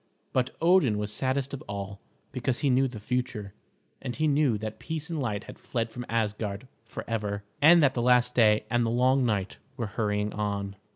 But Odin was saddest of all, because he knew the future, and he knew that peace and light had fled from Asgard forever, and that the last day and the long night were hurrying on.